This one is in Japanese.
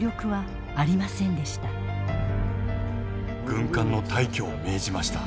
軍艦の退去を命じました。